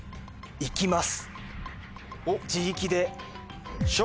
行きます。